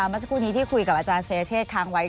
เมื่อช่วงนี้ที่คุยกับอาจารย์เศรเชษฐ์ครั้งไว้